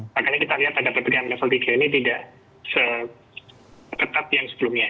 makanya kita lihat pada ppkm level tiga ini tidak seketat yang sebelumnya